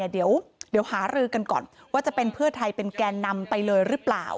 เดี๋ยวหารือกันก่อนว่าจะเป็นเพื่อไทยเป็นแกนนำไปเลยหรือเปล่า